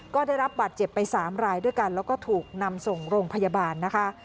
ก็ได้รับบาดเจ็บไป๓รายด้วยกันแล้วก็ถูกนำส่งโรงพยาบาลนะคะ